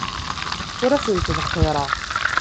Ur asen-ttbexxireɣ.